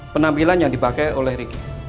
penampilan yang dipakai oleh ricky